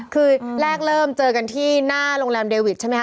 คือแรกเริ่มเจอกันที่หน้าโรงแรมเดวิดใช่ไหมค